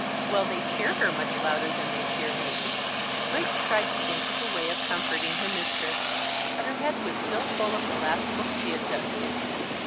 "Well, they cheer her much louder than they cheer me." Wiggs tried to think of a way of comforting her mistress, but her head was still full of the last book she had dusted.